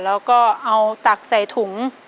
แล้วก็เอาตักใส่ถุง